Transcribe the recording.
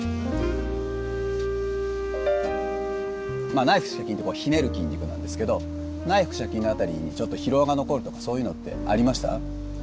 まあ内腹斜筋ってこうひねる筋肉なんですけど内腹斜筋の辺りにちょっと疲労が残るとかそういうのってありました？